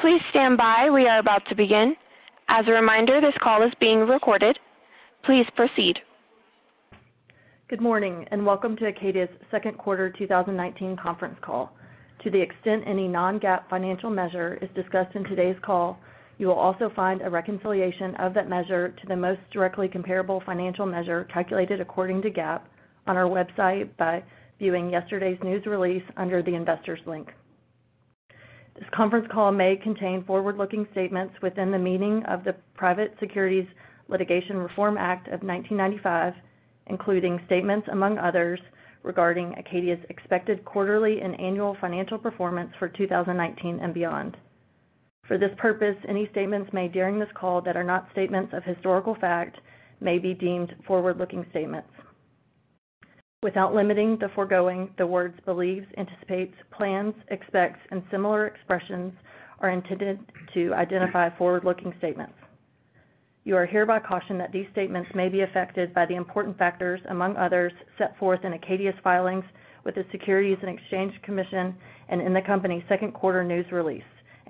Please stand by. We are about to begin. As a reminder, this call is being recorded. Please proceed. Good morning, and welcome to Acadia's second quarter 2019 conference call. To the extent any non-GAAP financial measure is discussed in today's call, you will also find a reconciliation of that measure to the most directly comparable financial measure calculated according to GAAP on our website by viewing yesterday's news release under the Investors link. This conference call may contain forward-looking statements within the meaning of the Private Securities Litigation Reform Act of 1995, including statements among others regarding Acadia's expected quarterly and annual financial performance for 2019 and beyond. For this purpose, any statements made during this call that are not statements of historical fact may be deemed forward-looking statements. Without limiting the foregoing, the words believes, anticipates, plans, expects, and similar expressions are intended to identify forward-looking statements. You are hereby cautioned that these statements may be affected by the important factors, among others, set forth in Acadia's filings with the Securities and Exchange Commission and in the company's second quarter news release.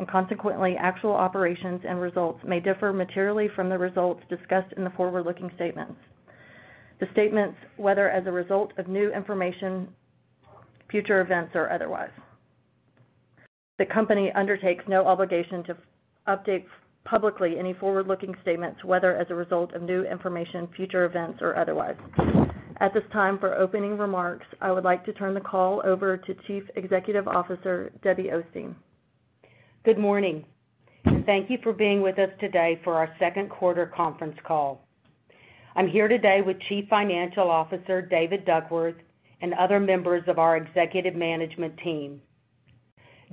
Consequently, actual operations and results may differ materially from the results discussed in the forward-looking statements. The statements, whether as a result of new information, future events, or otherwise. The company undertakes no obligation to update publicly any forward-looking statements, whether as a result of new information, future events, or otherwise. At this time, for opening remarks, I would like to turn the call over to Chief Executive Officer, Debbie Osteen. Good morning. Thank you for being with us today for our second quarter conference call. I'm here today with Chief Financial Officer, David Duckworth, and other members of our executive management team.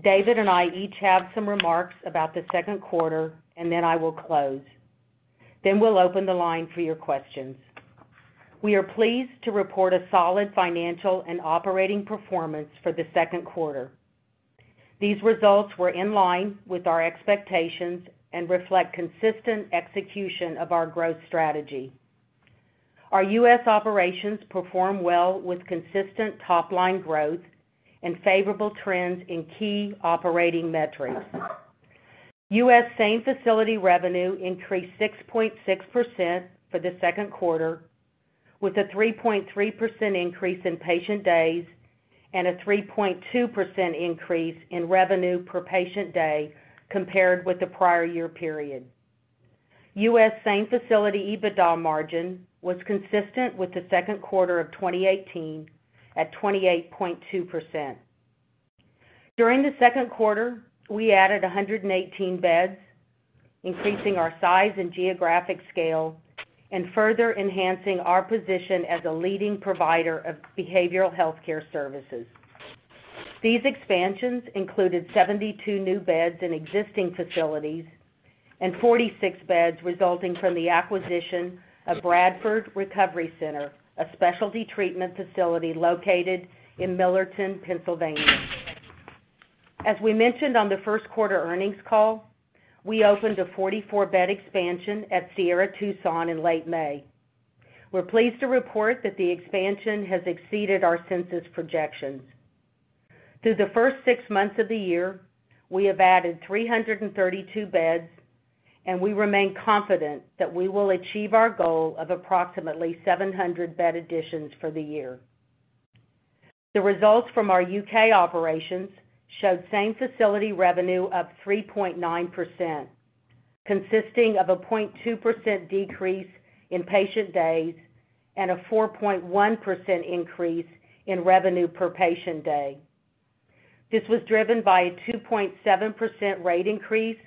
David and I each have some remarks about the second quarter, and then I will close. We'll open the line for your questions. We are pleased to report a solid financial and operating performance for the second quarter. These results were in line with our expectations and reflect consistent execution of our growth strategy. Our U.S. operations performed well with consistent top-line growth and favorable trends in key operating metrics. U.S. same-facility revenue increased 6.6% for the second quarter with a 3.3% increase in patient days and a 3.2% increase in revenue per patient day compared with the prior year period. U.S. same-facility EBITDA margin was consistent with the second quarter of 2018 at 28.2%. During the second quarter, we added 118 beds, increasing our size and geographic scale and further enhancing our position as a leading provider of behavioral healthcare services. These expansions included 72 new beds in existing facilities and 46 beds resulting from the acquisition of Bradford Recovery Center, a specialty treatment facility located in Millerton, Pennsylvania. As we mentioned on the first quarter earnings call, we opened a 44-bed expansion at Sierra Tucson in late May. We're pleased to report that the expansion has exceeded our census projections. Through the first six months of the year, we have added 332 beds. We remain confident that we will achieve our goal of approximately 700 bed additions for the year. The results from our U.K. operations showed same-facility revenue of 3.9%, consisting of a 0.2% decrease in patient days and a 4.1% increase in revenue per patient day. This was driven by a 2.7% rate increase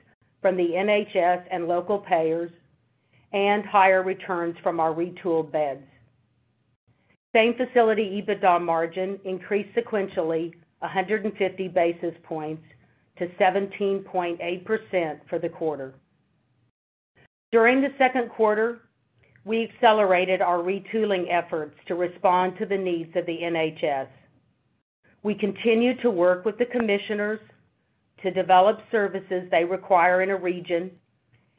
from the NHS and local payers and higher returns from our retooled beds. Same-facility EBITDA margin increased sequentially 150 basis points to 17.8% for the quarter. During the second quarter, we accelerated our retooling efforts to respond to the needs of the NHS. We continue to work with the commissioners to develop services they require in a region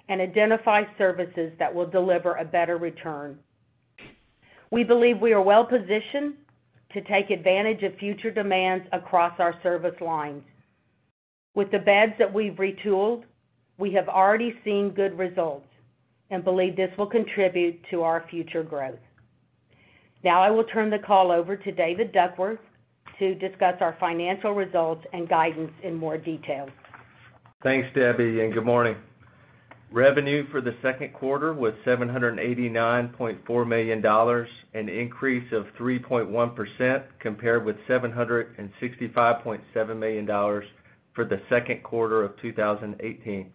and identify services that will deliver a better return. We believe we are well-positioned to take advantage of future demands across our service lines. With the beds that we've retooled, we have already seen good results and believe this will contribute to our future growth. Now I will turn the call over to David Duckworth to discuss our financial results and guidance in more detail. Thanks, Debbie, and good morning. Revenue for the second quarter was $789.4 million, an increase of 3.1% compared with $765.7 million for the second quarter of 2018.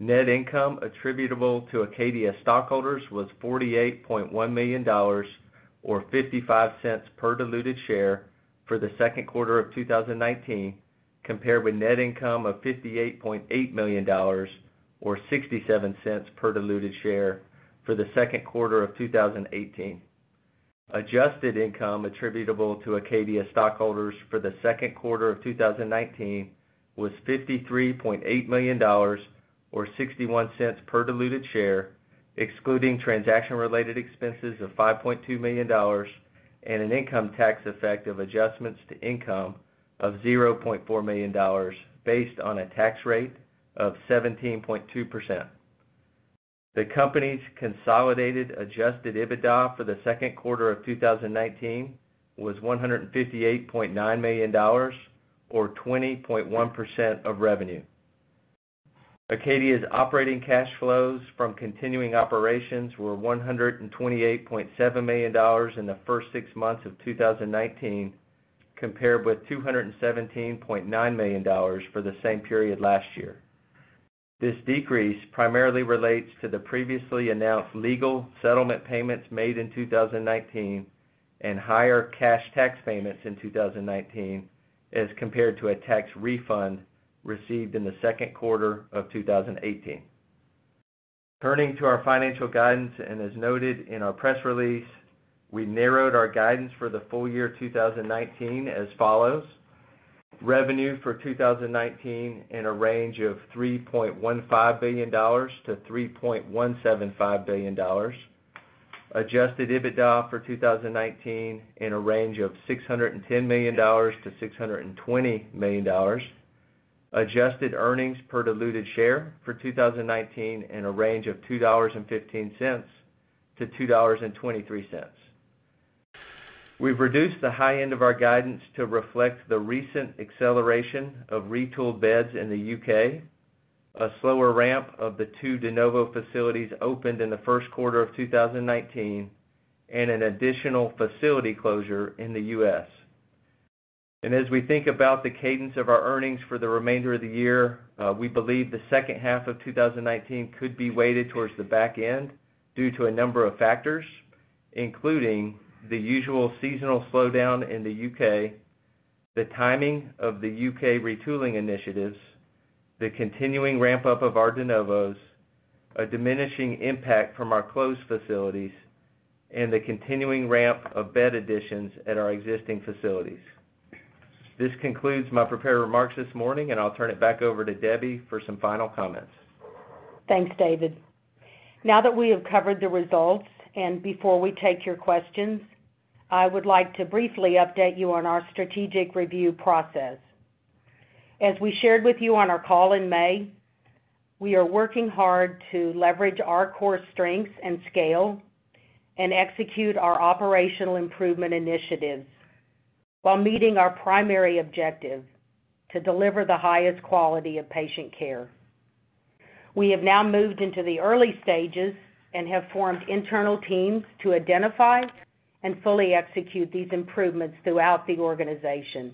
Net income attributable to Acadia stockholders was $48.1 million or $0.55 per diluted share for the second quarter of 2019, compared with net income of $58.8 million or $0.67 per diluted share for the second quarter of 2018. Adjusted income attributable to Acadia stockholders for the second quarter of 2019 was $53.8 million or $0.61 per diluted share, excluding transaction-related expenses of $5.2 million and an income tax effect of adjustments to income of $0.4 million based on a tax rate of 17.2%. The company's consolidated adjusted EBITDA for the second quarter of 2019 was $158.9 million or 20.1% of revenue. Acadia's operating cash flows from continuing operations were $128.7 million in the first six months of 2019, compared with $217.9 million for the same period last year. This decrease primarily relates to the previously announced legal settlement payments made in 2019 and higher cash tax payments in 2019 as compared to a tax refund received in the second quarter of 2018. Turning to our financial guidance, as noted in our press release, we narrowed our guidance for the full year 2019 as follows. Revenue for 2019 in a range of $3.15 billion-$3.175 billion. Adjusted EBITDA for 2019 in a range of $610 million-$620 million. Adjusted earnings per diluted share for 2019 in a range of $2.15-$2.23. We've reduced the high end of our guidance to reflect the recent acceleration of retooled beds in the U.K., a slower ramp of the two de novo facilities opened in the first quarter of 2019, and an additional facility closure in the U.S. As we think about the cadence of our earnings for the remainder of the year, we believe the second half of 2019 could be weighted towards the back end due to a number of factors, including the usual seasonal slowdown in the U.K., the timing of the U.K. retooling initiatives, the continuing ramp-up of our de novos, a diminishing impact from our closed facilities, and the continuing ramp of bed additions at our existing facilities. This concludes my prepared remarks this morning, and I'll turn it back over to Debbie for some final comments. Thanks, David. Now that we have covered the results, and before we take your questions, I would like to briefly update you on our strategic review process. As we shared with you on our call in May, we are working hard to leverage our core strengths and scale and execute our operational improvement initiatives while meeting our primary objective, to deliver the highest quality of patient care. We have now moved into the early stages and have formed internal teams to identify and fully execute these improvements throughout the organization.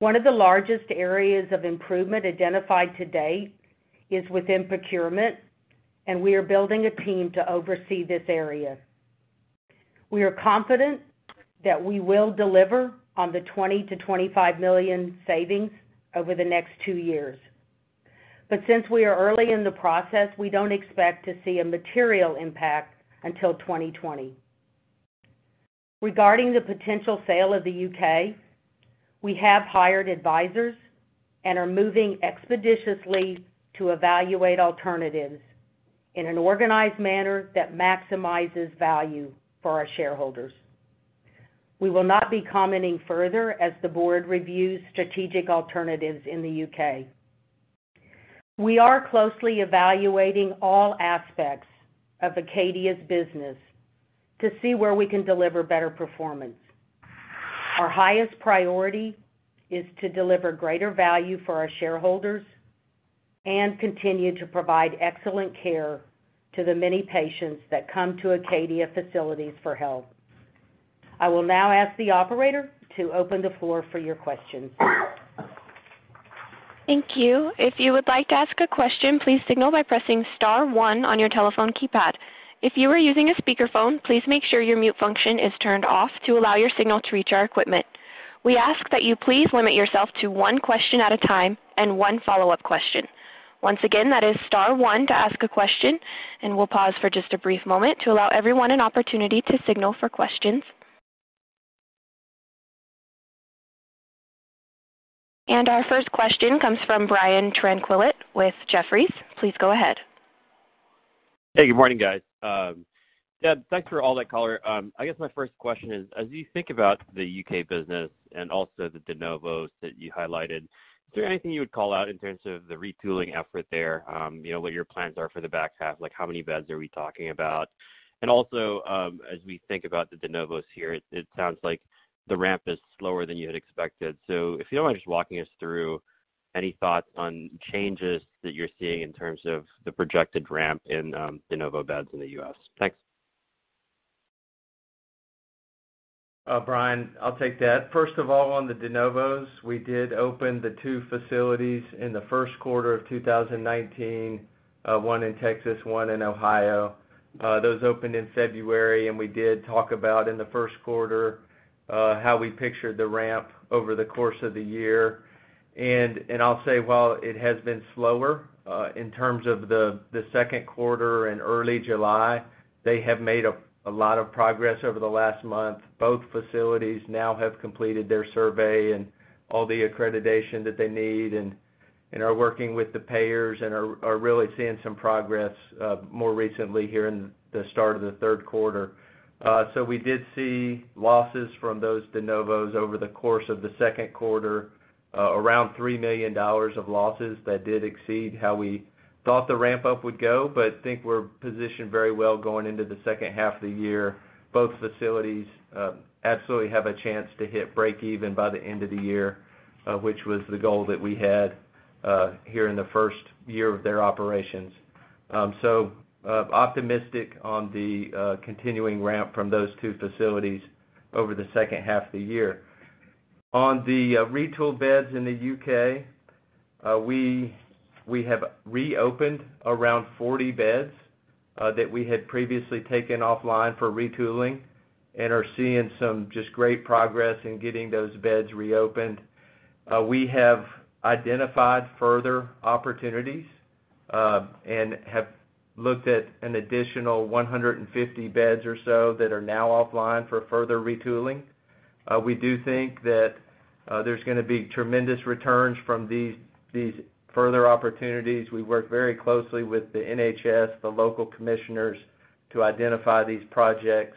One of the largest areas of improvement identified to date is within procurement, and we are building a team to oversee this area. We are confident that we will deliver on the $20 million-$25 million savings over the next two years. Since we are early in the process, we don't expect to see a material impact until 2020. Regarding the potential sale of the U.K., we have hired advisors and are moving expeditiously to evaluate alternatives in an organized manner that maximizes value for our shareholders. We will not be commenting further as the board reviews strategic alternatives in the U.K. We are closely evaluating all aspects of Acadia's business to see where we can deliver better performance. Our highest priority is to deliver greater value for our shareholders and continue to provide excellent care to the many patients that come to Acadia facilities for help. I will now ask the operator to open the floor for your questions. Thank you. If you would like to ask a question, please signal by pressing star one on your telephone keypad. If you are using a speakerphone, please make sure your mute function is turned off to allow your signal to reach our equipment. We ask that you please limit yourself to one question at a time and one follow-up question. Once again, that is star one to ask a question, we'll pause for just a brief moment to allow everyone an opportunity to signal for questions. Our first question comes from Brian Tanquilut with Jefferies. Please go ahead. Hey, good morning, guys. Deb, thanks for all that color. I guess my first question is, as you think about the U.K. business and also the de novos that you highlighted, is there anything you would call out in terms of the retooling effort there? What your plans are for the back half? How many beds are we talking about? As we think about the de novos here, it sounds like the ramp is slower than you had expected. If you don't mind just walking us through any thoughts on changes that you're seeing in terms of the projected ramp in de novo beds in the U.S. Thanks. Brian, I'll take that. First of all, on the de novos, we did open the two facilities in the first quarter of 2019, one in Texas, one in Ohio. Those opened in February. We did talk about in the first quarter how we pictured the ramp over the course of the year. I'll say, while it has been slower in terms of the second quarter and early July, they have made a lot of progress over the last month. Both facilities now have completed their survey and all the accreditation that they need and are working with the payers and are really seeing some progress more recently here in the start of the third quarter. We did see losses from those de novos over the course of the second quarter, around $3 million of losses that did exceed how we thought the ramp-up would go. Think we're positioned very well going into the second half of the year. Both facilities absolutely have a chance to hit break even by the end of the year, which was the goal that we had here in the first year of their operations. Optimistic on the continuing ramp from those two facilities over the second half of the year. On the retool beds in the U.K., we have reopened around 40 beds that we had previously taken offline for retooling and are seeing some just great progress in getting those beds reopened. We have identified further opportunities and have looked at an additional 150 beds or so that are now offline for further retooling. We do think that there's going to be tremendous returns from these further opportunities. We work very closely with the NHS, the local commissioners, to identify these projects.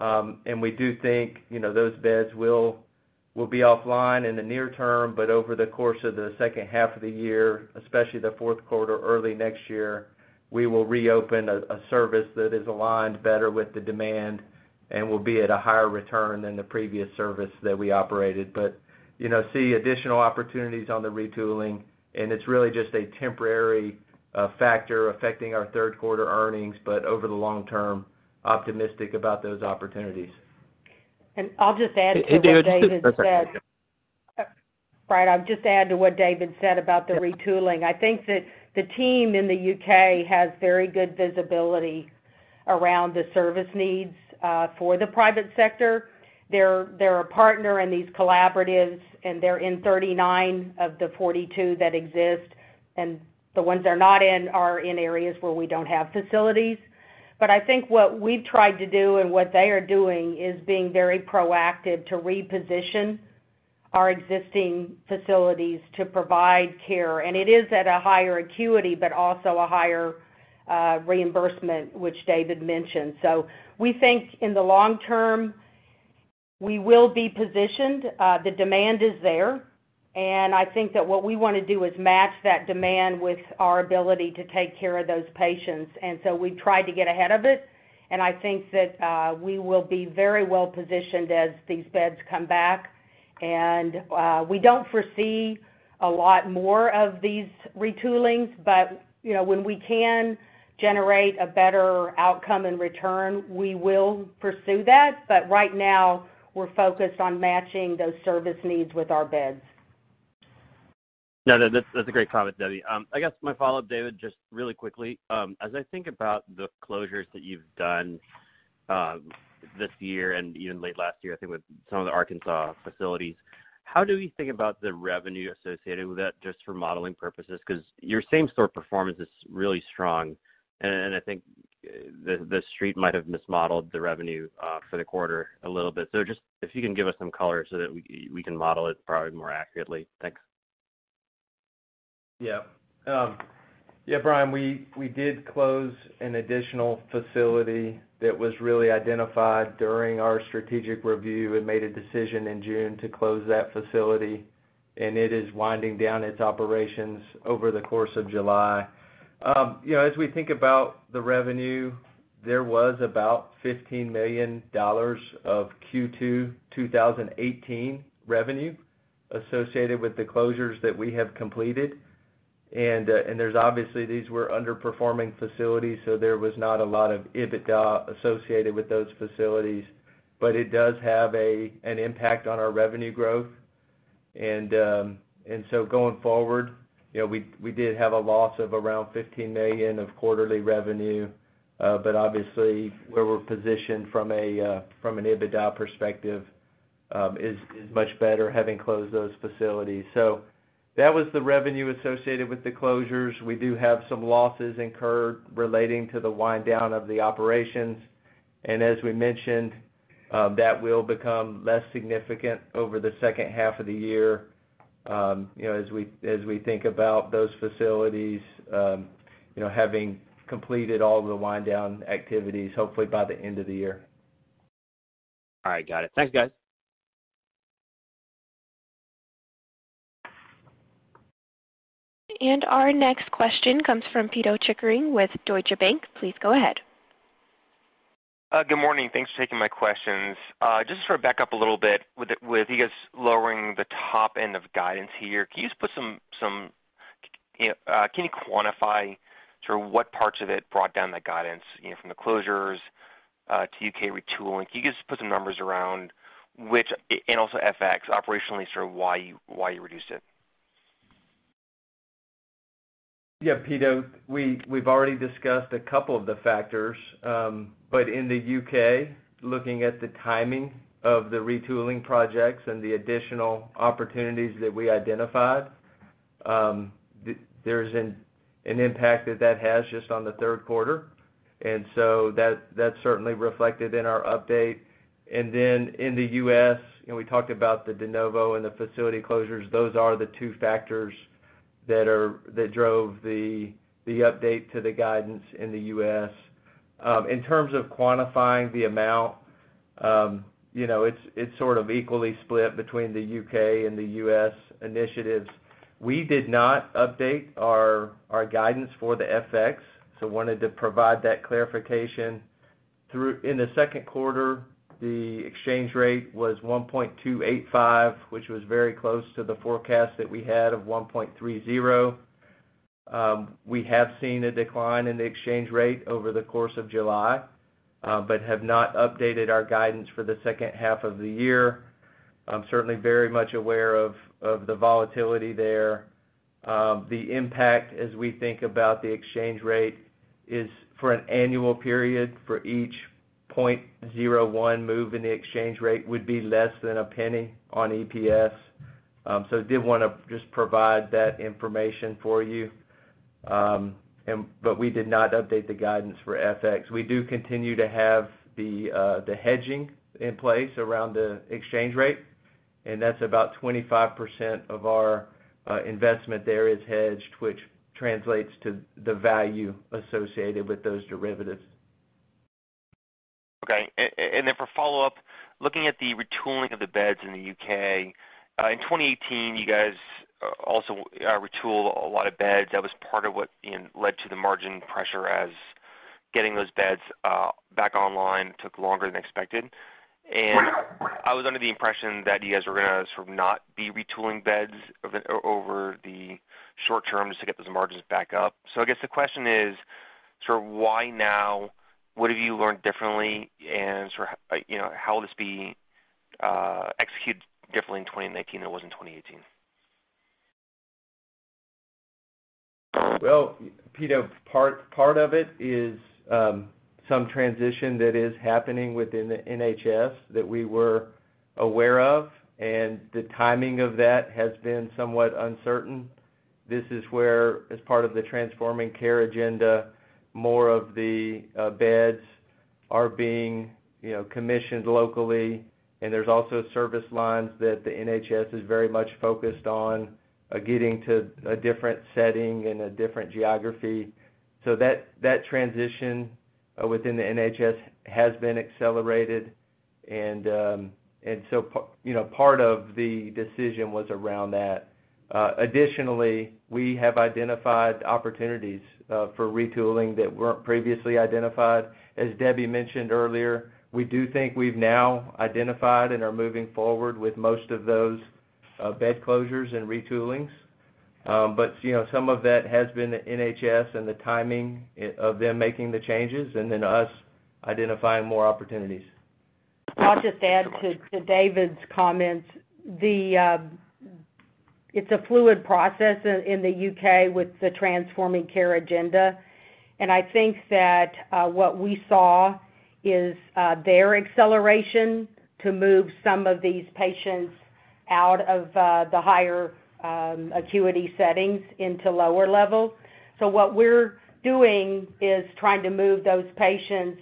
We do think those beds will be offline in the near term, but over the course of the second half of the year, especially the fourth quarter, early next year, we will reopen a service that is aligned better with the demand and will be at a higher return than the previous service that we operated. See additional opportunities on the retooling, and it's really just a temporary factor affecting our third-quarter earnings. Over the long term, we are optimistic about those opportunities. I'll just add to what David said. Hey, David. Right. I'll just add to what David said about the retooling. I think that the team in the U.K. has very good visibility around the service needs for the private sector. They're a partner in these collaboratives, and they're in 39 of the 42 that exist. The ones they're not in are in areas where we don't have facilities. I think what we've tried to do and what they are doing is being very proactive to reposition our existing facilities to provide care. It is at a higher acuity, but also a higher reimbursement, which David mentioned. We think in the long term, we will be positioned. The demand is there. I think that what we want to do is match that demand with our ability to take care of those patients. We've tried to get ahead of it, and I think that we will be very well-positioned as these beds come back. We don't foresee a lot more of these retoolings, but when we can generate a better outcome and return, we will pursue that. Right now, we're focused on matching those service needs with our beds. No, that's a great comment, Debbie. I guess my follow-up, David, just really quickly. As I think about the closures that you've done this year and even late last year, I think with some of the Arkansas facilities, how do we think about the revenue associated with that, just for modeling purposes? Because your same-facility performance is really strong, and I think The Street might have mismodeled the revenue for the quarter a little bit. Just if you can give us some color so that we can model it probably more accurately. Thanks. Brian, we did close an additional facility that was really identified during our strategic review and made a decision in June to close that facility, and it is winding down its operations over the course of July. As we think about the revenue, there was about $15 million of Q2 2018 revenue associated with the closures that we have completed. Obviously, these were underperforming facilities, so there was not a lot of EBITDA associated with those facilities. It does have an impact on our revenue growth. Going forward, we did have a loss of around $15 million of quarterly revenue. Obviously, where we're positioned from an EBITDA perspective is much better having closed those facilities. That was the revenue associated with the closures. We do have some losses incurred relating to the wind down of the operations. As we mentioned, that will become less significant over the second half of the year as we think about those facilities having completed all of the wind-down activities, hopefully by the end of the year. All right. Got it. Thanks, guys. Our next question comes from Pito Chickering with Deutsche Bank. Please go ahead. Good morning. Thanks for taking my questions. Just for back up a little bit with you guys lowering the top end of guidance here. Can you quantify from what parts of it brought down that guidance, from the closures to U.K. retooling? Can you just put some numbers around and also FX operationally sort of why you reduced it? Pito, we've already discussed a couple of the factors. In the U.K., looking at the timing of the retooling projects and the additional opportunities that we identified. There's an impact that that has just on the third quarter. That's certainly reflected in our update. In the U.S., we talked about the de novo and the facility closures. Those are the two factors that drove the update to the guidance in the U.S. In terms of quantifying the amount, it's sort of equally split between the U.K. and the U.S. initiatives. We did not update our guidance for the FX. Wanted to provide that clarification. In the second quarter, the exchange rate was $1.285, which was very close to the forecast that we had of $1.30. We have seen a decline in the exchange rate over the course of July, but have not updated our guidance for the second half of the year. I'm certainly very much aware of the volatility there. The impact as we think about the exchange rate is for an annual period for each 0.01 move in the exchange rate would be less than $0.01 on EPS. Did want to just provide that information for you. We did not update the guidance for FX. We do continue to have the hedging in place around the exchange rate, and that's about 25% of our investment there is hedged, which translates to the value associated with those derivatives. Okay. For follow-up, looking at the retooling of the beds in the U.K. In 2018, you guys also retooled a lot of beds. That was part of what led to the margin pressure as getting those beds back online took longer than expected. I was under the impression that you guys were going to sort of not be retooling beds over the short term just to get those margins back up. I guess the question is sort of why now? What have you learned differently, and how will this be executed differently in 2019 than it was in 2018? Pito, part of it is some transition that is happening within the NHS that we were aware of, and the timing of that has been somewhat uncertain. This is where, as part of the Transforming Care agenda, more of the beds are being commissioned locally, and there's also service lines that the NHS is very much focused on getting to a different setting and a different geography. That transition within the NHS has been accelerated. Part of the decision was around that. Additionally, we have identified opportunities for retooling that weren't previously identified. As Debbie mentioned earlier, we do think we've now identified and are moving forward with most of those bed closures and retoolings. Some of that has been the NHS and the timing of them making the changes, and then us identifying more opportunities. I'll just add to David's comments. It's a fluid process in the U.K. with the Transforming Care agenda, and I think that what we saw is their acceleration to move some of these patients out of the higher acuity settings into lower levels. What we're doing is trying to move those patients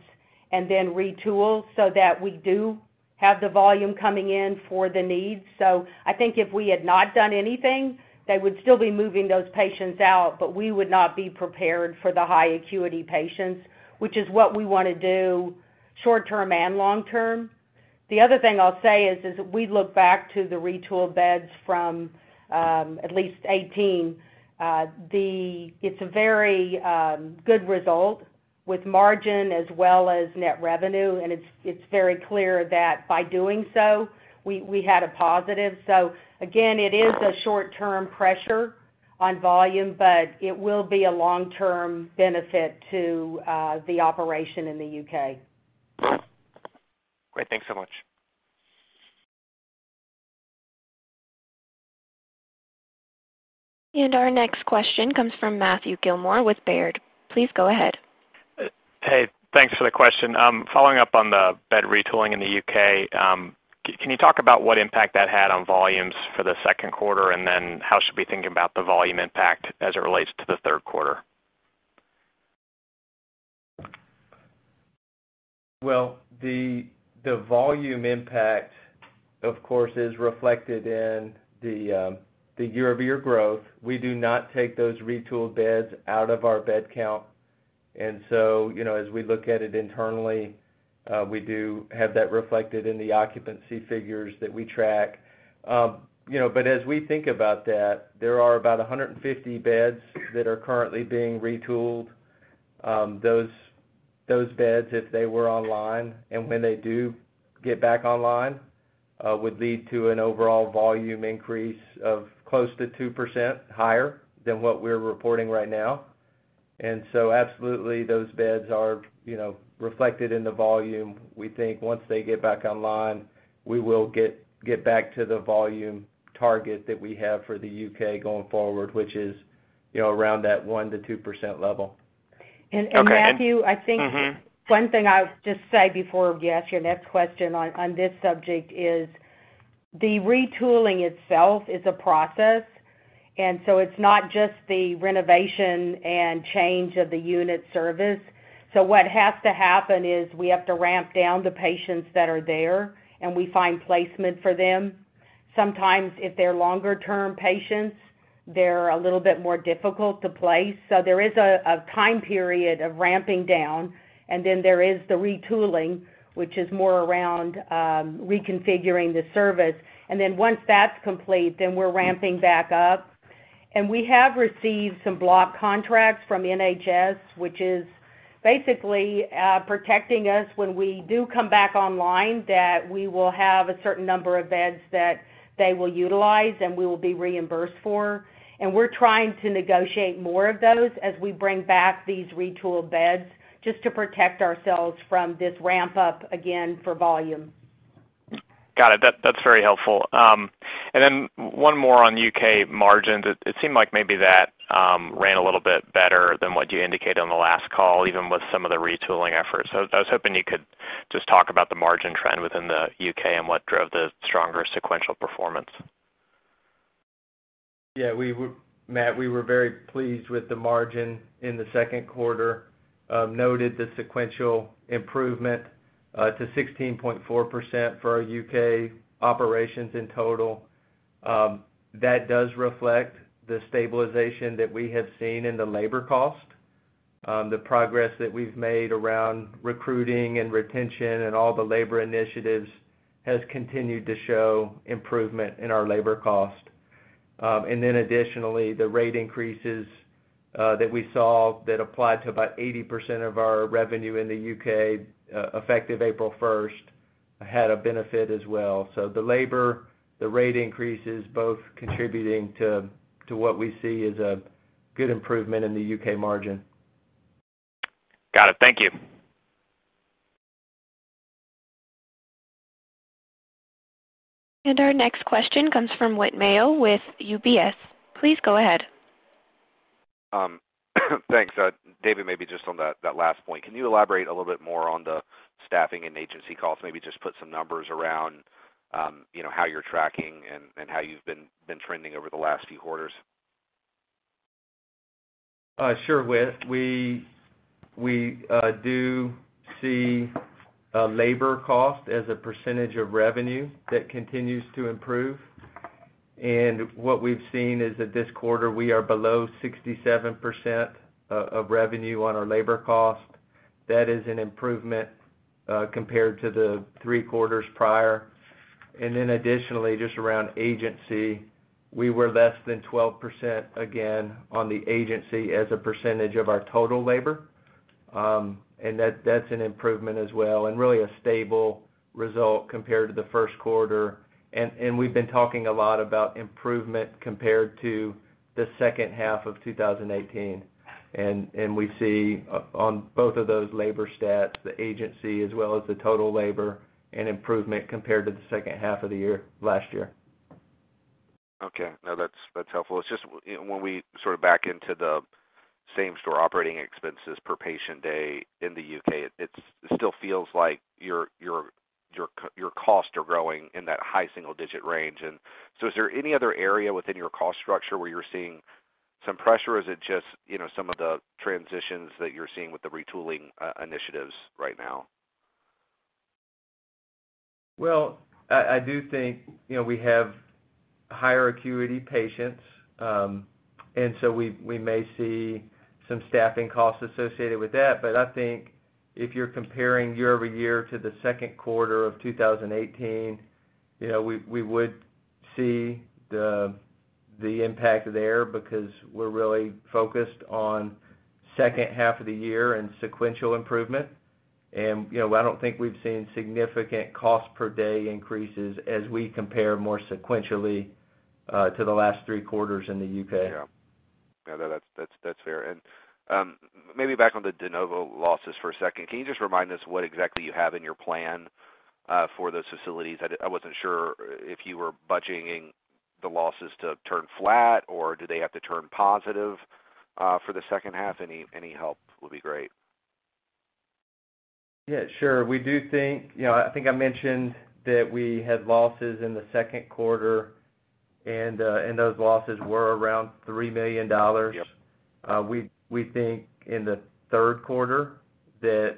and then retool so that we do have the volume coming in for the needs. I think if we had not done anything, they would still be moving those patients out, but we would not be prepared for the high acuity patients, which is what we want to do short-term and long-term. The other thing I'll say is, as we look back to the retooled beds from at least 2018, it's a very good result with margin as well as net revenue, and it's very clear that by doing so, we had a positive. Again, it is a short-term pressure on volume, but it will be a long-term benefit to the operation in the U.K. Great. Thanks so much. Our next question comes from Matthew Gillmor with Baird. Please go ahead. Hey, thanks for the question. Following up on the bed retooling in the U.K., can you talk about what impact that had on volumes for the second quarter, and then how should we be thinking about the volume impact as it relates to the third quarter? Well, the volume impact, of course, is reflected in the year-over-year growth. We do not take those retooled beds out of our bed count. As we look at it internally, we do have that reflected in the occupancy figures that we track. As we think about that, there are about 150 beds that are currently being retooled. Those beds, if they were online and when they do get back online, would lead to an overall volume increase of close to 2% higher than what we're reporting right now. Absolutely, those beds are reflected in the volume. We think once they get back online, we will get back to the volume target that we have for the U.K. going forward, which is around that 1%-2% level. Matthew, I think one thing I would just say before we ask your next question on this subject is the retooling itself is a process. It's not just the renovation and change of the unit service. What has to happen is we have to ramp down the patients that are there, and we find placement for them. Sometimes if they're longer-term patients, they're a little bit more difficult to place. There is a time period of ramping down, there is the retooling, which is more around reconfiguring the service. Once that's complete, we're ramping back up. We have received some block contracts from NHS, which is basically protecting us when we do come back online, that we will have a certain number of beds that they will utilize and we will be reimbursed for. We're trying to negotiate more of those as we bring back these retooled beds just to protect ourselves from this ramp up again for volume. Got it. That's very helpful. Then one more on U.K. margins. It seemed like maybe that ran a little bit better than what you indicated on the last call, even with some of the retooling efforts. I was hoping you could just talk about the margin trend within the U.K. and what drove the stronger sequential performance. Matt, we were very pleased with the margin in the second quarter. Noted the sequential improvement to 16.4% for our U.K. operations in total. That does reflect the stabilization that we have seen in the labor cost. The progress that we've made around recruiting and retention and all the labor initiatives has continued to show improvement in our labor cost. Additionally, the rate increases that we saw that apply to about 80% of our revenue in the U.K. effective April 1st had a benefit as well. The labor, the rate increases both contributing to what we see as a good improvement in the U.K. margin. Got it. Thank you. Our next question comes from Whit Mayo with UBS. Please go ahead. Thanks. David, maybe just on that last point, can you elaborate a little bit more on the staffing and agency costs? Maybe just put some numbers around how you're tracking and how you've been trending over the last few quarters. Sure, Whit. We do see labor cost as a percentage of revenue that continues to improve. What we've seen is that this quarter, we are below 67% of revenue on our labor cost. That is an improvement compared to the three quarters prior. Additionally, just around agency, we were less than 12%, again, on the agency as a percentage of our total labor. That's an improvement as well and really a stable result compared to the first quarter. We've been talking a lot about improvement compared to the second half of 2018. We see on both of those labor stats, the agency as well as the total labor, an improvement compared to the second half of the year, last year. Okay. No, that's helpful. It's just when we sort of back into the same store operating expenses per patient day in the U.K., it still feels like your costs are growing in that high single-digit range. Is there any other area within your cost structure where you're seeing some pressure? Is it just some of the transitions that you're seeing with the retooling initiatives right now? Well, I do think we have higher acuity patients, we may see some staffing costs associated with that. I think if you're comparing year-over-year to the second quarter of 2018, we would see the impact there because we're really focused on second half of the year and sequential improvement. I don't think we've seen significant cost per day increases as we compare more sequentially to the last three quarters in the U.K. Yeah. No, that's fair. Maybe back on the de novo losses for a second. Can you just remind us what exactly you have in your plan for those facilities? I wasn't sure if you were budgeting the losses to turn flat, or do they have to turn positive for the second half? Any help would be great. Yeah, sure. I think I mentioned that we had losses in the second quarter, and those losses were around $3 million. Yep. We think in the third quarter that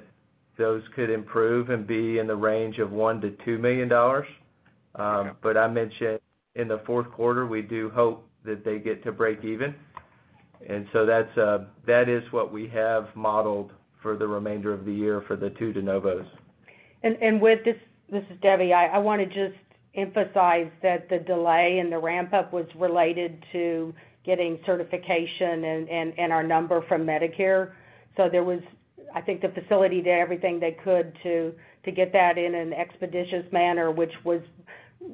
those could improve and be in the range of $1 million-$2 million. Okay. I mentioned in the fourth quarter, we do hope that they get to break even. That is what we have modeled for the remainder of the year for the two de novos. Whit, this is Debbie. I want to just emphasize that the delay in the ramp-up was related to getting certification and our number from Medicare. There was, I think, the facility did everything they could to get that in an expeditious manner, which was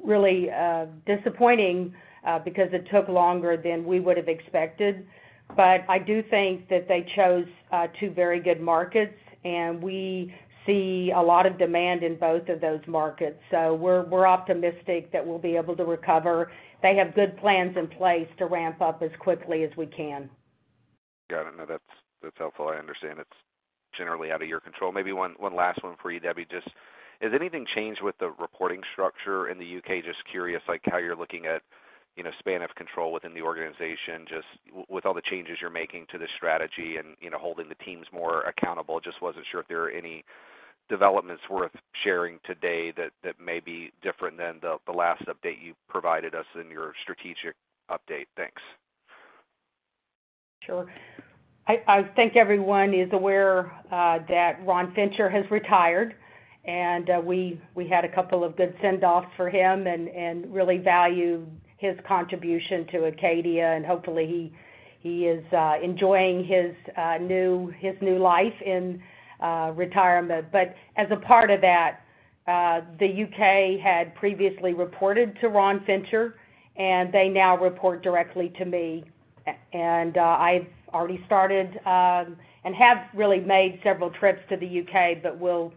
really disappointing because it took longer than we would have expected. I do think that they chose two very good markets, and we see a lot of demand in both of those markets. We're optimistic that we'll be able to recover. They have good plans in place to ramp up as quickly as we can. Yeah, no, that's helpful. I understand it's generally out of your control. Maybe one last one for you, Debbie. Has anything changed with the reporting structure in the U.K.? Just curious, how you're looking at span of control within the organization, just with all the changes you're making to the strategy and holding the teams more accountable. Just wasn't sure if there are any developments worth sharing today that may be different than the last update you provided us in your strategic update. Thanks. Sure. I think everyone is aware that Ron Fincher has retired, and we had a couple of good send-offs for him and really value his contribution to Acadia, and hopefully he is enjoying his new life in retirement. As a part of that, the U.K. had previously reported to Ron Fincher, and they now report directly to me. I've already started and have really made several trips to the U.K., will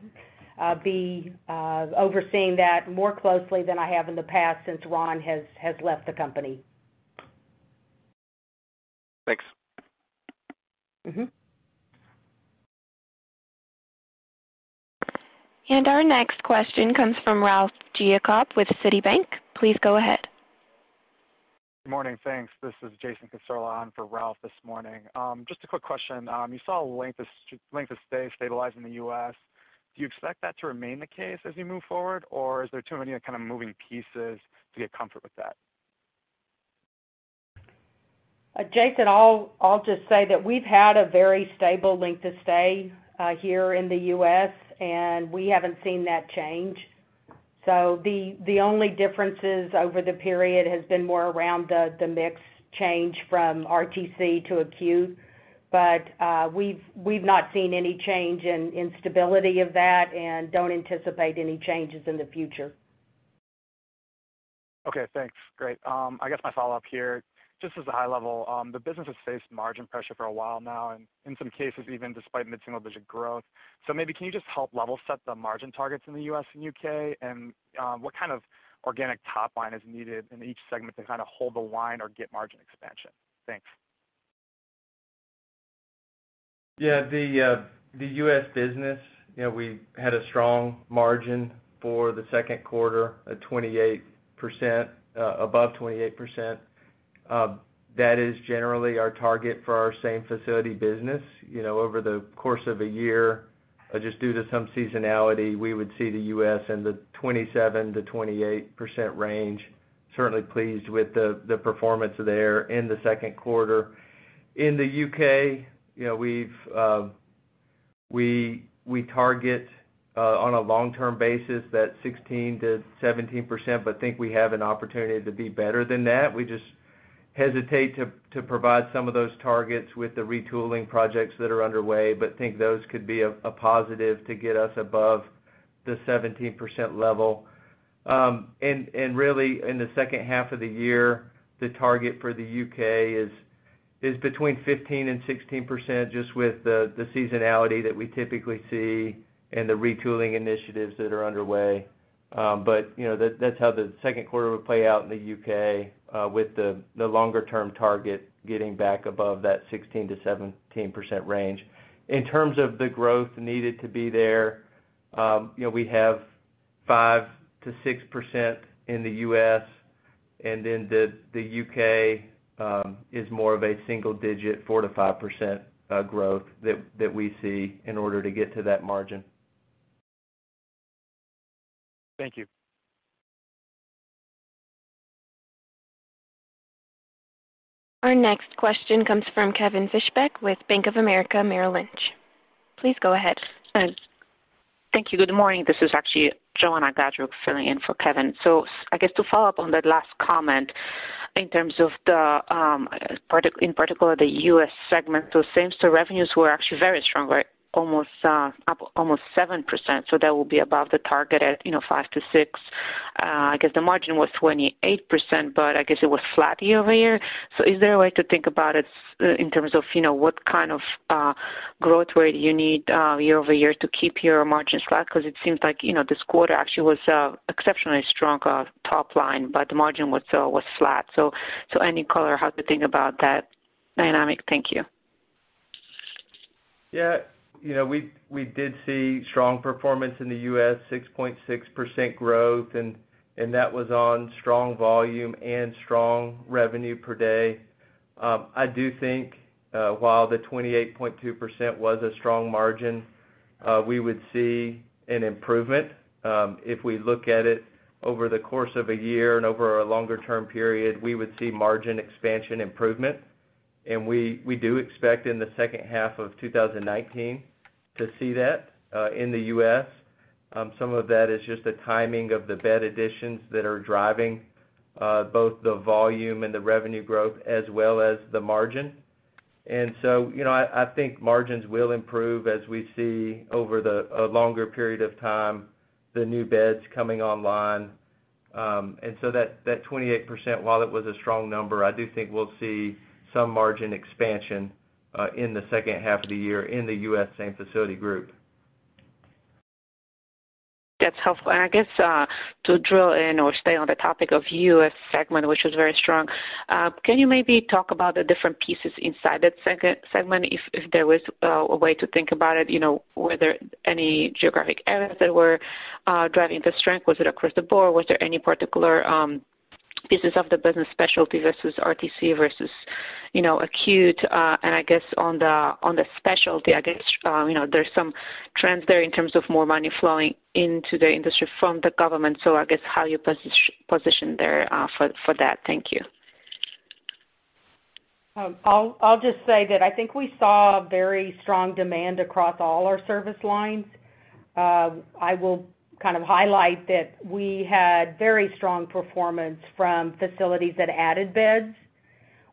be overseeing that more closely than I have in the past, since Ron has left the company. Thanks. Our next question comes from Ralph Giacobbe with Citibank. Please go ahead. Good morning. Thanks. This is Jason [Casciolo] on for Ralph this morning. Just a quick question. You saw length of stay stabilize in the U.S. Do you expect that to remain the case as you move forward, or is there too many kind of moving pieces to get comfort with that? Jason, I'll just say that we've had a very stable length of stay here in the U.S., and we haven't seen that change. The only differences over the period has been more around the mix change from RTC to acute. We've not seen any change in instability of that and don't anticipate any changes in the future. Okay, thanks. Great. I guess my follow-up here, just as a high level, the business has faced margin pressure for a while now, and in some cases, even despite mid-single-digit growth. Maybe can you just help level set the margin targets in the U.S. and U.K.? What kind of organic top line is needed in each segment to kind of hold the line or get margin expansion? Thanks. Yeah. The U.S. business, we had a strong margin for the second quarter at above 28%. That is generally our target for our same-facility business. Over the course of a year, just due to some seasonality, we would see the U.S. in the 27%-28% range. Certainly pleased with the performance there in the second quarter. In the U.K., we target on a long-term basis that 16%-17%, but think we have an opportunity to be better than that. We just hesitate to provide some of those targets with the retooling projects that are underway. Think those could be a positive to get us above the 17% level. Really, in the second half of the year, the target for the U.K. is between 15% and 16%, just with the seasonality that we typically see and the retooling initiatives that are underway. That's how the second quarter would play out in the U.K., with the longer-term target getting back above that 16%-17% range. In terms of the growth needed to be there, we have 5%-6% in the U.S., and then the U.K. is more of a single-digit 4%-5% growth that we see in order to get to that margin. Thank you. Our next question comes from Kevin Fischbeck with Bank of America Merrill Lynch. Please go ahead. Thank you. Good morning. This is actually Joanna Gajuk filling in for Kevin. I guess to follow up on that last comment in terms of, in particular, the U.S. segment, those same store revenues were actually very strong, right? Almost 7%. That will be above the target at 5%-6%. I guess the margin was 28%, but I guess it was flat year-over-year. Is there a way to think about it in terms of what kind of growth rate you need year-over-year to keep your margins flat? Because it seems like this quarter actually was exceptionally strong top line, but the margin was flat. Any color how to think about that dynamic? Thank you. Yeah. We did see strong performance in the U.S., 6.6% growth, and that was on strong volume and strong revenue per day. I do think, while the 28.2% was a strong margin, we would see an improvement. If we look at it over the course of a year and over a longer-term period, we would see margin expansion improvement. We do expect in the second half of 2019 to see that in the U.S. Some of that is just the timing of the bed additions that are driving both the volume and the revenue growth as well as the margin. I think margins will improve as we see over a longer period of time the new beds coming online. That 28%, while it was a strong number, I do think we'll see some margin expansion in the second half of the year in the U.S. same-facility group. That's helpful. I guess, to drill in or stay on the topic of U.S. segment, which is very strong, can you maybe talk about the different pieces inside that segment? If there was a way to think about it, were there any geographic areas that were driving the strength? Was it across the board? Was there any particular pieces of the business specialty versus RTC versus acute? I guess on the specialty, I guess there's some trends there in terms of more money flowing into the industry from the government. I guess how you position there for that? Thank you. I'll just say that I think we saw very strong demand across all our service lines. I will kind of highlight that we had very strong performance from facilities that added beds,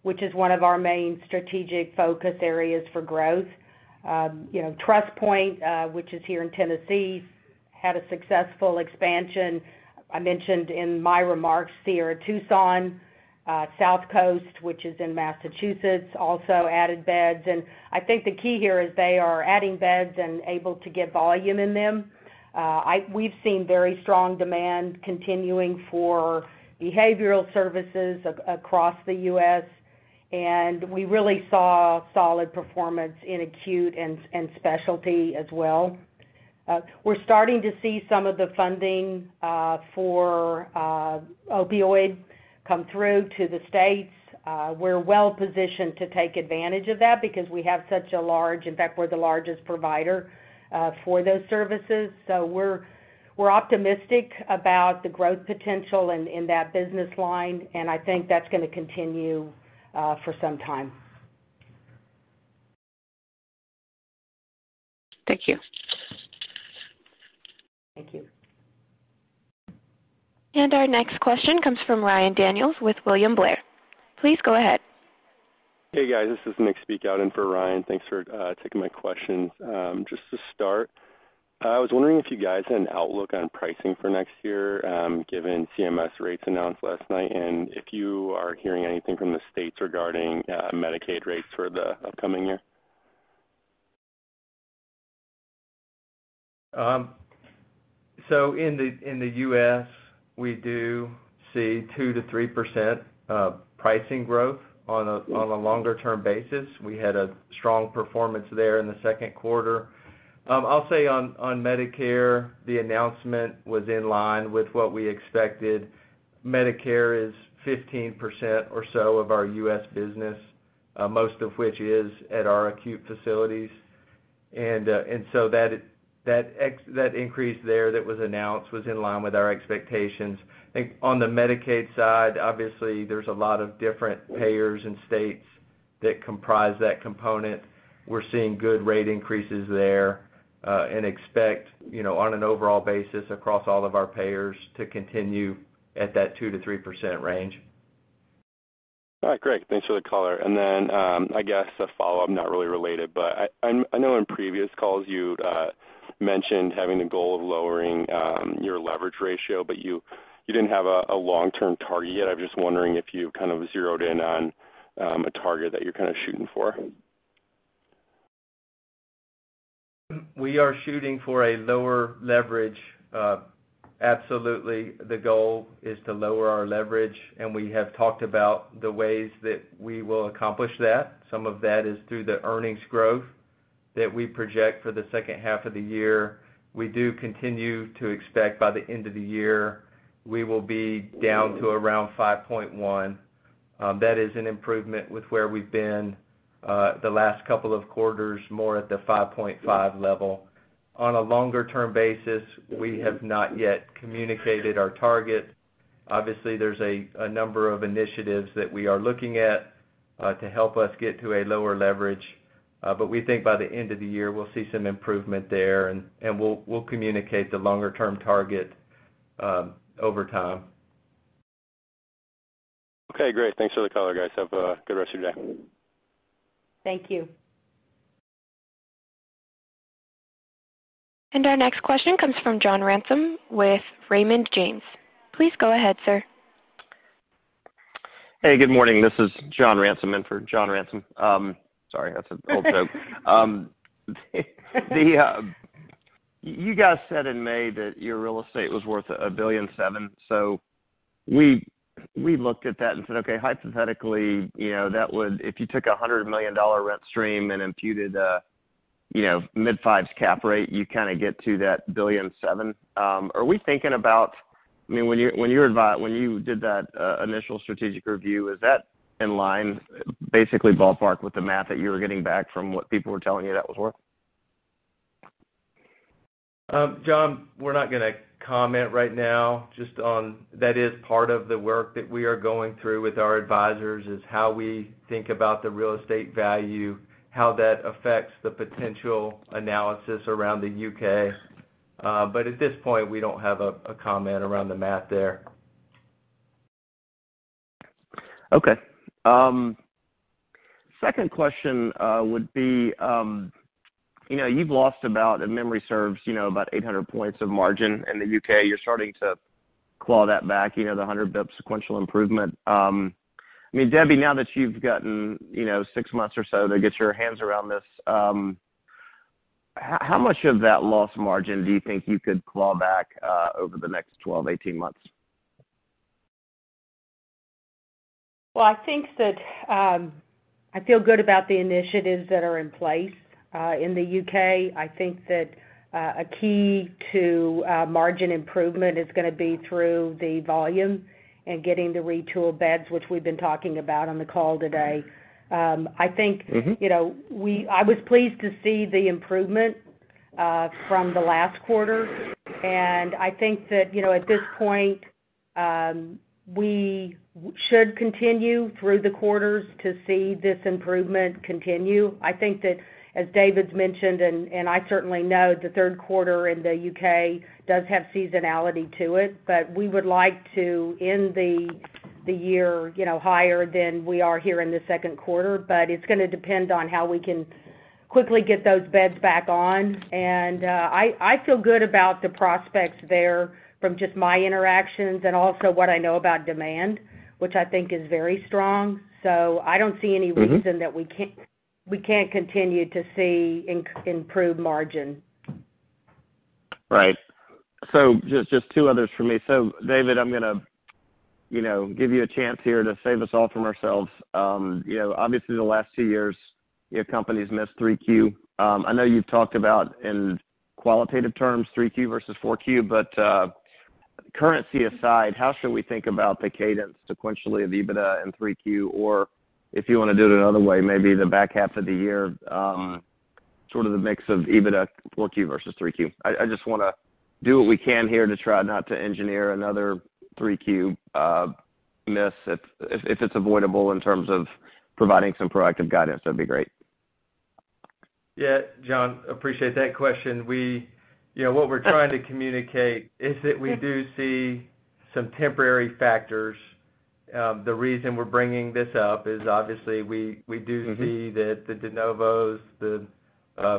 which is one of our main strategic focus areas for growth. TrustPoint, which is here in Tennessee, had a successful expansion. I mentioned in my remarks Sierra Tucson, Southcoast, which is in Massachusetts, also added beds. I think the key here is they are adding beds and able to get volume in them. We've seen very strong demand continuing for behavioral services across the U.S., and we really saw solid performance in acute and specialty as well. We're starting to see some of the funding for opioid come through to the states. We're well-positioned to take advantage of that. In fact, we're the largest provider for those services. We're optimistic about the growth potential in that business line, and I think that's going to continue for some time. Thank you. Thank you. Our next question comes from Ryan Daniels with William Blair. Please go ahead. Hey, guys. This is Nick speaking in for Ryan. Thanks for taking my questions. Just to start, I was wondering if you guys had an outlook on pricing for next year, given CMS rates announced last night, and if you are hearing anything from the states regarding Medicaid rates for the upcoming year. In the U.S., we do see 2%-3% pricing growth on a longer-term basis. We had a strong performance there in the second quarter. I'll say on Medicare, the announcement was in line with what we expected. Medicare is 15% or so of our U.S. business, most of which is at our acute facilities. That increase there that was announced was in line with our expectations. On the Medicaid side, obviously, there's a lot of different payers and states that comprise that component. We're seeing good rate increases there, and expect, on an overall basis across all of our payers to continue at that 2%-3% range. All right, great. Thanks for the color. I guess a follow-up, not really related, but I know in previous calls you mentioned having the goal of lowering your leverage ratio, but you didn't have a long-term target yet. I'm just wondering if you kind of zeroed in on a target that you're kind of shooting for. We are shooting for a lower leverage. Absolutely, the goal is to lower our leverage, and we have talked about the ways that we will accomplish that. Some of that is through the earnings growth that we project for the second half of the year. We do continue to expect by the end of the year, we will be down to around 5.1. That is an improvement with where we've been, the last couple of quarters, more at the 5.5 level. On a longer-term basis, we have not yet communicated our target. Obviously, there's a number of initiatives that we are looking at to help us get to a lower leverage. We think by the end of the year, we'll see some improvement there, and we'll communicate the longer-term target over time. Okay, great. Thanks for the color, guys. Have a good rest of your day. Thank you. Our next question comes from John Ransom with Raymond James. Please go ahead, sir. Hey, good morning. This is John Ransom in for John Ransom. Sorry, that's an old joke. You guys said in May that your real estate was worth $1.7 billion. We looked at that and said, okay, hypothetically, if you took a $100 million rent stream and imputed a mid-five's cap rate, you kind of get to that $1.7 billion. Are we thinking, I mean, when you did that initial strategic review, is that in line, basically ballpark with the math that you were getting back from what people were telling you that was worth? John, we're not going to comment right now. That is part of the work that we are going through with our advisors is how we think about the real estate value, how that affects the potential analysis around the U.K. At this point, we don't have a comment around the math there. Okay. Second question would be, you've lost about, if memory serves, about 800 points of margin in the U.K. You're starting to claw that back, the 100 basis points sequential improvement. Debbie, now that you've gotten six months or so to get your hands around this, how much of that loss margin do you think you could claw back over the next 12, 18 months? Well, I think that I feel good about the initiatives that are in place in the U.K. I think that a key to margin improvement is going to be through the volume and getting the retool beds, which we've been talking about on the call today. I was pleased to see the improvement from the last quarter. I think that, at this point, we should continue through the quarters to see this improvement continue. I think that, as David's mentioned, I certainly know the third quarter in the U.K. does have seasonality to it. We would like to end the year higher than we are here in the second quarter. It's going to depend on how we can quickly get those beds back on. I feel good about the prospects there from just my interactions and also what I know about demand, which I think is very strong. So I don't see any reason that we can't continue to see improved margin. Right. Just two others from me. David, I'm going to give you a chance here to save us all from ourselves. Obviously, the last two years, your company's missed 3Q. I know you've talked about, in qualitative terms, 3Q versus 4Q, but currency aside, how should we think about the cadence sequentially of EBITDA in 3Q? If you want to do it another way, maybe the back half of the year, sort of the mix of EBITDA 4Q versus 3Q. I just want to do what we can here to try not to engineer another 3Q miss, if it's avoidable, in terms of providing some proactive guidance, that'd be great. Yeah. John, appreciate that question. What we're trying to communicate is that we do see some temporary factors. The reason we're bringing this up is obviously we do see that the de novos, the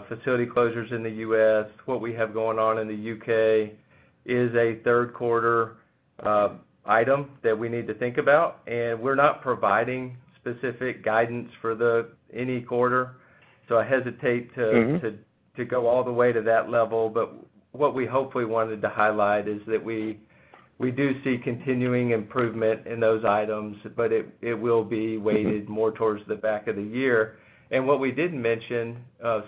facility closures in the U.S., what we have going on in the U.K., is a third quarter item that we need to think about, and we're not providing specific guidance for any quarter, so I hesitate to go all the way to that level. What we hopefully wanted to highlight is that we do see continuing improvement in those items, but it will be weighted more towards the back of the year. What we didn't mention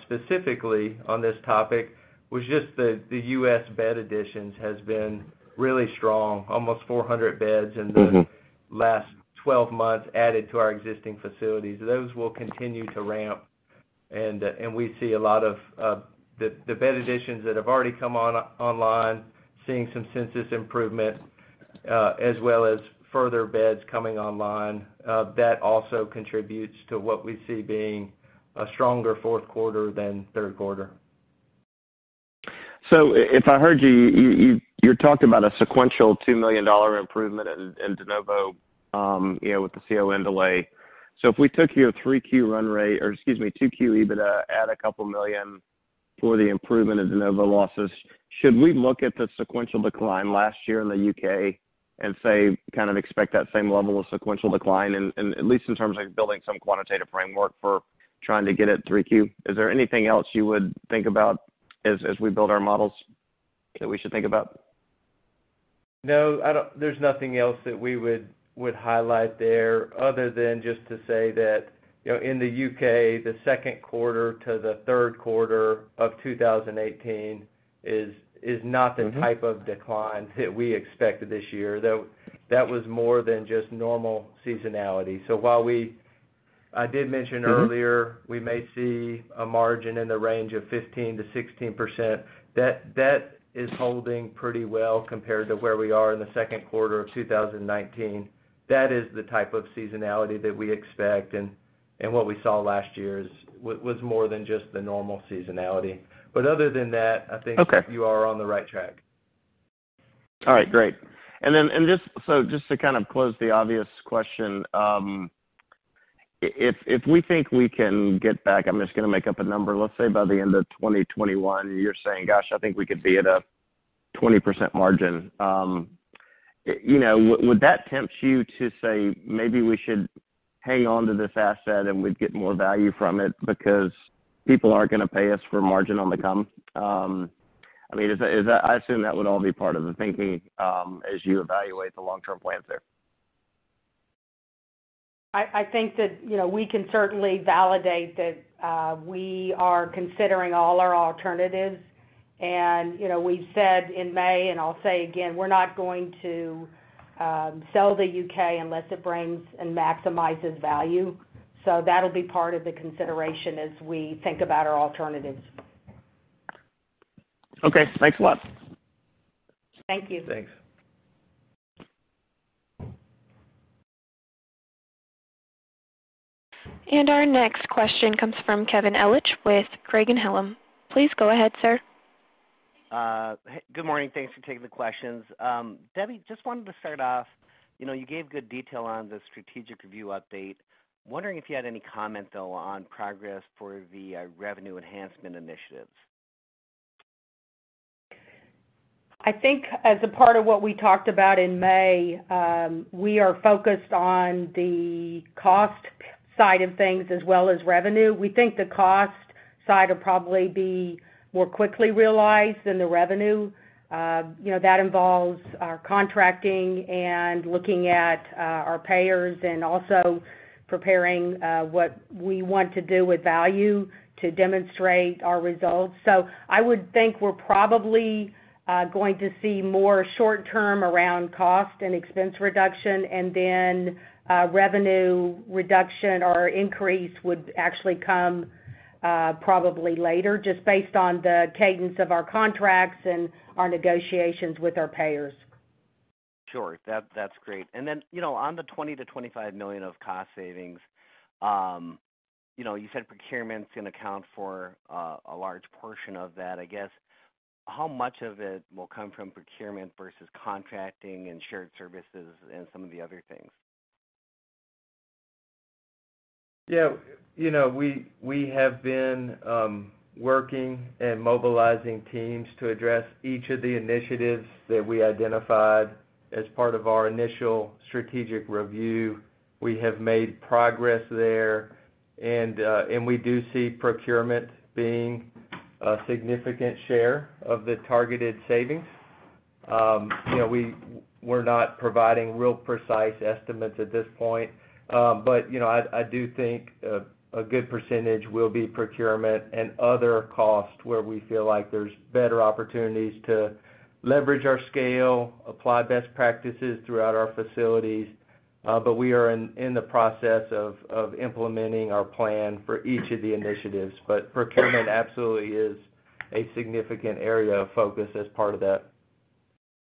specifically on this topic was just the U.S. bed additions has been really strong. Almost 400 beds in the last 12 months added to our existing facilities. Those will continue to ramp. We see a lot of the bed additions that have already come online, seeing some census improvement, as well as further beds coming online. That also contributes to what we see being a stronger fourth quarter than third quarter. If I heard you're talking about a sequential $2 million improvement in de novo with the CON delay. If we took your 3Q run rate, or excuse me, 2Q EBITDA, add couple million for the improvement in de novo losses, should we look at the sequential decline last year in the U.K. and say kind of expect that same level of sequential decline, at least in terms of building some quantitative framework for trying to get at 3Q? Is there anything else you would think about as we build our models that we should think about? No, there's nothing else that we would highlight there other than just to say that in the U.K., the second quarter to the third quarter of 2018 is not the type of declines that we expected this year. That was more than just normal seasonality. While we, I did mention earlier, we may see a margin in the range of 15%-16%, that is holding pretty well compared to where we are in the second quarter of 2019. That is the type of seasonality that we expect, and what we saw last year was more than just the normal seasonality. Other than that, I think. Okay You are on the right track. All right, great. Just to kind of close the obvious question, if we think we can get back, I'm just going to make up a number, let's say by the end of 2021, you're saying, "Gosh, I think we could be at a 20% margin." Would that tempt you to say, "Maybe we should hang on to this asset, and we'd get more value from it because people aren't going to pay us for margin on the come?" I assume that would all be part of the thinking as you evaluate the long-term plans there. I think that we can certainly validate that we are considering all our alternatives. We said in May, and I'll say again, we're not going to sell the U.K. unless it brings and maximizes value. That'll be part of the consideration as we think about our alternatives. Okay. Thanks a lot. Thank you. Thanks. Our next question comes from Kevin Ellich with Craig-Hallum. Please go ahead, sir. Good morning. Thanks for taking the questions. Debbie, just wanted to start off, you gave good detail on the strategic review update. Wondering if you had any comment, though, on progress for the revenue enhancement initiatives? I think as a part of what we talked about in May, we are focused on the cost side of things as well as revenue. We think the cost side will probably be more quickly realized than the revenue. That involves our contracting and looking at our payers and also preparing what we want to do with value to demonstrate our results. I would think we're probably going to see more short-term around cost and expense reduction, and then revenue reduction or increase would actually come probably later, just based on the cadence of our contracts and our negotiations with our payers. Sure. That's great. On the $20 million-$25 million of cost savings, you said procurement's going to account for a large portion of that. I guess, how much of it will come from procurement versus contracting and shared services and some of the other things? Yeah. We have been working and mobilizing teams to address each of the initiatives that we identified as part of our initial strategic review. We have made progress there. We do see procurement being a significant share of the targeted savings. We're not providing real precise estimates at this point. I do think a good percentage will be procurement and other costs where we feel like there's better opportunities to leverage our scale, apply best practices throughout our facilities. We are in the process of implementing our plan for each of the initiatives. Procurement absolutely is a significant area of focus as part of that.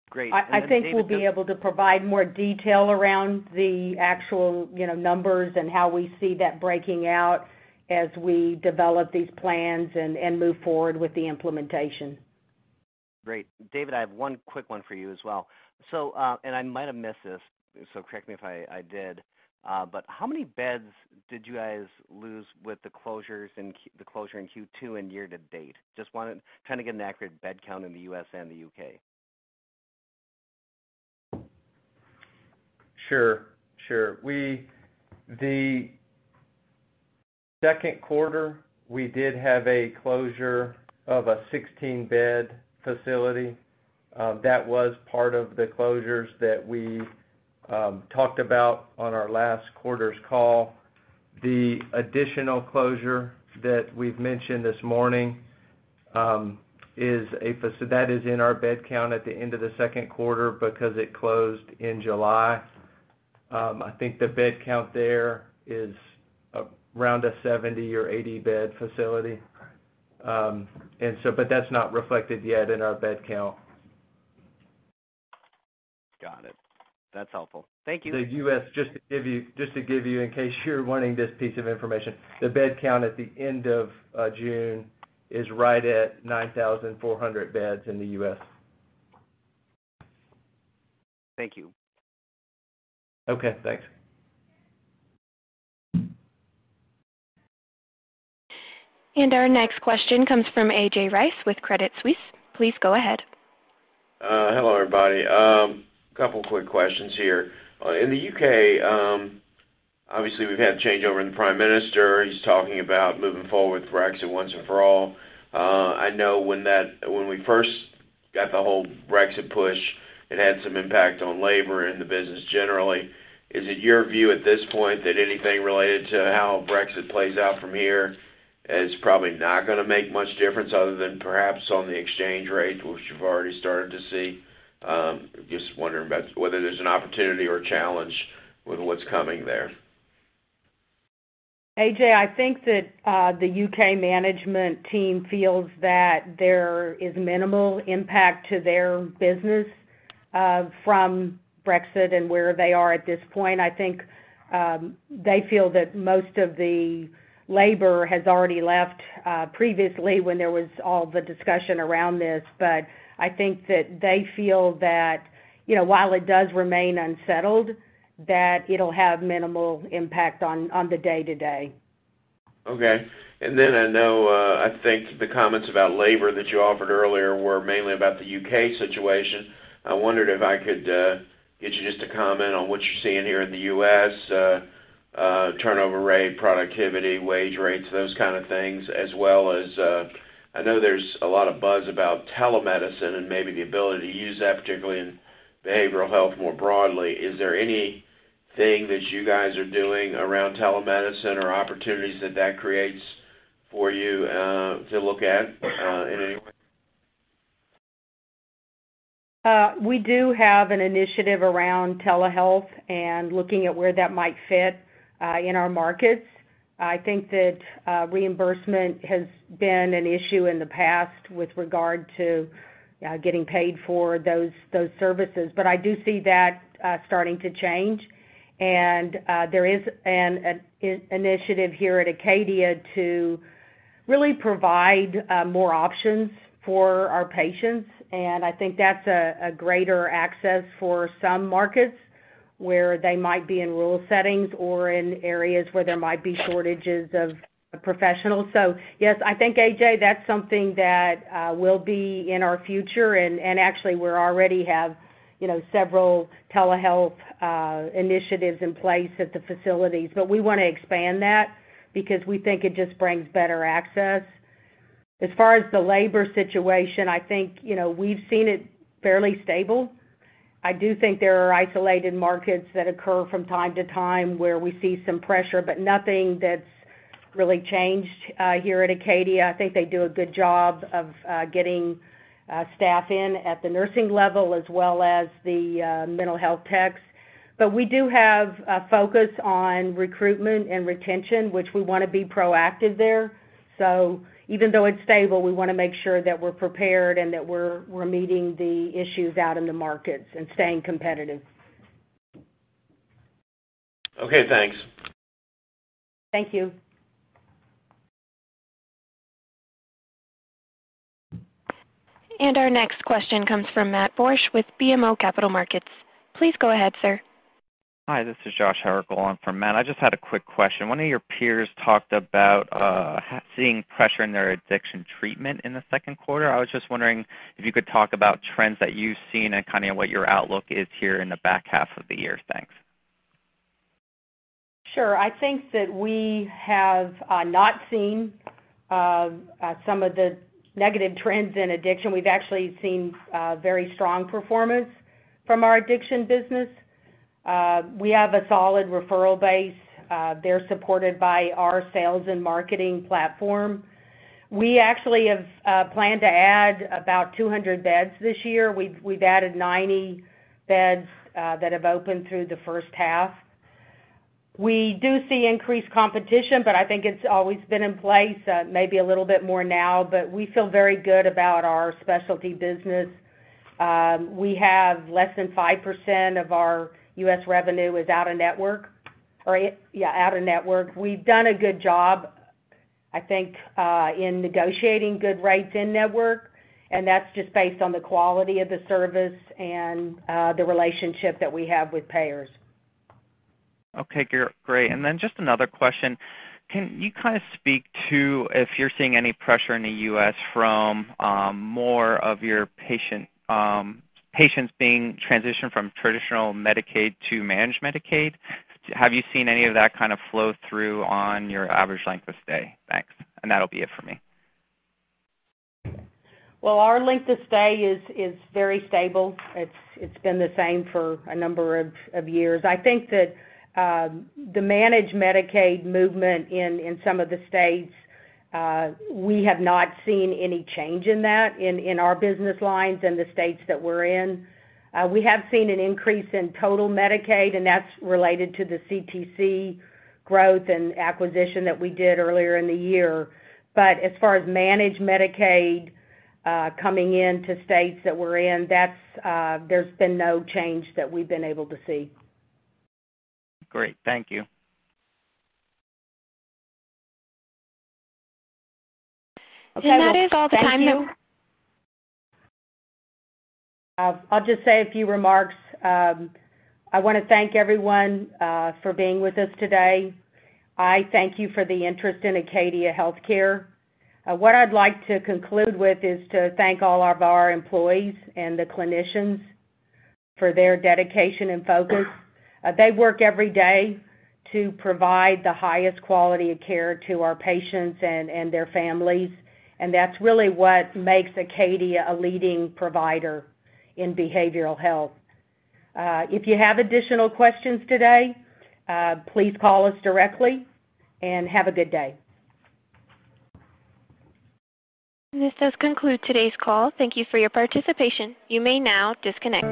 Great. David. I think we'll be able to provide more detail around the actual numbers and how we see that breaking out as we develop these plans and move forward with the implementation. Great. David, I have one quick one for you as well. I might have missed this, correct me if I did. How many beds did you guys lose with the closure in Q2 and year to date? Just trying to get an accurate bed count in the U.S. and the U.K. Sure. The second quarter, we did have a closure of a 16-bed facility. That was part of the closures that we talked about on our last quarter's call. The additional closure that we've mentioned this morning, that is in our bed count at the end of the second quarter because it closed in July. I think the bed count there is around a 70 or 80 bed facility. That's not reflected yet in our bed count. Got it. That's helpful. Thank you. The U.S., just to give you, in case you're wanting this piece of information, the bed count at the end of June is right at 9,400 beds in the U.S. Thank you. Okay, thanks. Our next question comes from A.J. Rice with Credit Suisse. Please go ahead. Hello, everybody. A couple quick questions here. In the U.K., obviously we've had a changeover in the Prime Minister. He's talking about moving forward with Brexit once and for all. I know when we first got the whole Brexit push, it had some impact on labor and the business generally. Is it your view at this point that anything related to how Brexit plays out from here is probably not going to make much difference other than perhaps on the exchange rate, which you've already started to see? Just wondering about whether there's an opportunity or a challenge with what's coming there. A.J., I think that the U.K. management team feels that there is minimal impact to their business from Brexit and where they are at this point. I think they feel that most of the labor has already left previously when there was all the discussion around this. I think that they feel that while it does remain unsettled, that it'll have minimal impact on the day-to-day. Okay. I know, I think the comments about labor that you offered earlier were mainly about the U.K. situation. I wondered if I could get you just to comment on what you're seeing here in the U.S., turnover rate, productivity, wage rates, those kind of things. I know there's a lot of buzz about telemedicine and maybe the ability to use that, particularly in behavioral health more broadly. Is there anything that you guys are doing around telemedicine or opportunities that that creates for you to look at in any way? We do have an initiative around telehealth and looking at where that might fit in our markets. I think that reimbursement has been an issue in the past with regard to getting paid for those services. I do see that starting to change, and there is an initiative here at Acadia to really provide more options for our patients, and I think that's a greater access for some markets where they might be in rural settings or in areas where there might be shortages of professionals. Yes, I think, A.J., that's something that will be in our future, and actually we already have several telehealth initiatives in place at the facilities. We want to expand that because we think it just brings better access. As far as the labor situation, I think, we've seen it fairly stable. I do think there are isolated markets that occur from time to time where we see some pressure, but nothing that's really changed here at Acadia. I think they do a good job of getting staff in at the nursing level as well as the mental health techs. We do have a focus on recruitment and retention, which we want to be proactive there. Even though it's stable, we want to make sure that we're prepared and that we're meeting the issues out in the markets and staying competitive. Okay, thanks. Thank you. Our next question comes from Matt Borsch with BMO Capital Markets. Please go ahead, sir. Hi, this is Josh for Matt. I just had a quick question. One of your peers talked about seeing pressure in their addiction treatment in the second quarter. I was just wondering if you could talk about trends that you've seen and kind of what your outlook is here in the back half of the year. Thanks. Sure. I think that we have not seen some of the negative trends in addiction. We've actually seen very strong performance from our addiction business. We have a solid referral base. They're supported by our sales and marketing platform. We actually have planned to add about 200 beds this year. We've added 90 beds that have opened through the first half. We do see increased competition, but I think it's always been in place, maybe a little bit more now, but we feel very good about our specialty business. We have less than 5% of our U.S. revenue is out-of-network. We've done a good job, I think, in negotiating good rates in-network, and that's just based on the quality of the service and the relationship that we have with payers. Okay, great. Just another question. Can you kind of speak to if you're seeing any pressure in the U.S. from more of your patients being transitioned from traditional Medicaid to managed Medicaid? Have you seen any of that kind of flow through on your average length of stay? Thanks. That'll be it for me. Well, our length of stay is very stable. It's been the same for a number of years. I think that the managed Medicaid movement in some of the states, we have not seen any change in that in our business lines in the states that we're in. We have seen an increase in total Medicaid, and that's related to the CTC growth and acquisition that we did earlier in the year. As far as managed Medicaid coming into states that we're in, there's been no change that we've been able to see. Great. Thank you. Okay, well, thank you. I'll just say a few remarks. I want to thank everyone for being with us today. I thank you for the interest in Acadia Healthcare. What I'd like to conclude with is to thank all of our employees and the clinicians for their dedication and focus. They work every day to provide the highest quality of care to our patients and their families, and that's really what makes Acadia a leading provider in behavioral health. If you have additional questions today, please call us directly, and have a good day. This does conclude today's call. Thank you for your participation. You may now disconnect.